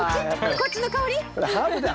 こっちの香り？